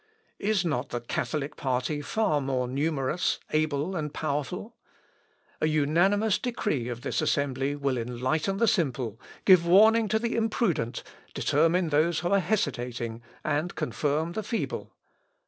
Is not the Catholic party far more numerous, able, and powerful? A unanimous decree of this assembly will enlighten the simple, give warning to the imprudent, determine those who are hesitating, and confirm the feeble....